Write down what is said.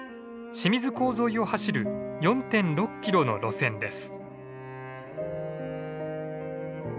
清水港沿いを走る４．６キロの路線です。